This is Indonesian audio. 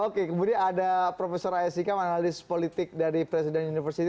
oke kemudian ada profesor ayesi kam analis politik dari presiden universiti